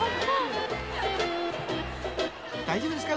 ［大丈夫ですか？